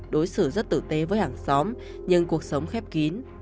đối xử rất tử tế với hàng xóm nhưng cuộc sống khép kín